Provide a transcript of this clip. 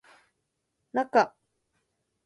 なか